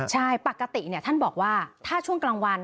ใช่ปกติท่านบอกว่าถ้าช่วงกลางวัน